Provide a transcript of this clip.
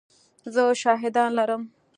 زه شاهدان لرم !